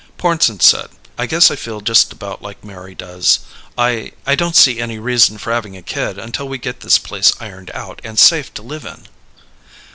Pornsen said, "I guess I feel just about like Mary does. I I don't see any reason for having a kid until we get this place ironed out and safe to live in."